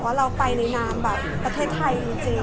ว่าเราไปในน้ำประเทศไทยจริง